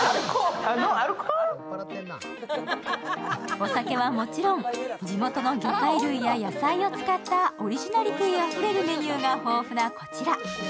お酒はもちろん、地元の魚介類や野菜を使ったオリジナリティあふれるメニューが豊富なこちら。